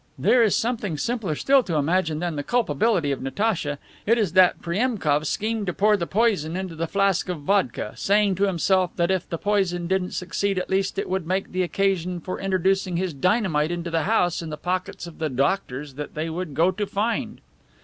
"There is something simpler still to imagine than the culpability of Natacha. It is that Priemkof schemed to pour the poison into the flask of vodka, saying to himself that if the poison didn't succeed at least it would make the occasion for introducing his dynamite into the house in the pockets of the 'doctors' that they would go to find."